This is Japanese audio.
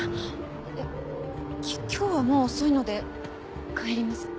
いや今日はもう遅いので帰ります。